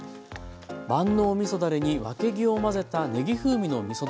万能みそだれにわけぎを混ぜたねぎ風味のみそ